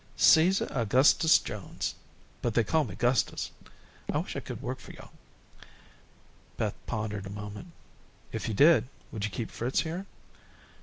"Caesar Augustus Jones, but they calls me Gustus. I wish I could work for yo'." Beth pondered a moment. "If you did, would you keep Fritz here?"